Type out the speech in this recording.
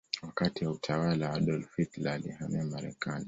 Wakati wa utawala wa Adolf Hitler alihamia Marekani.